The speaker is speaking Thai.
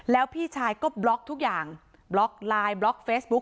แล้วพี่ชายก็บล็อกทุกอย่างบล็อกไลน์บล็อกเฟซบุ๊ค